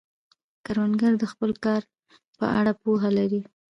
کروندګر د خپل کار په اړه پوهه لري